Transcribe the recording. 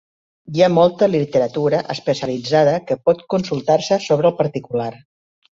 Hi ha molta literatura especialitzada que pot consultar-se sobre el particular.